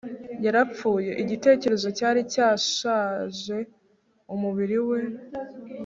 yarapfuye ! igitekerezo cyari cyashaje umubiri we